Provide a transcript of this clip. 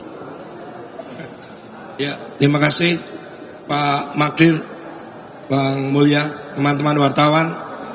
terima kasih pak magdhir bang mulya teman teman wartawan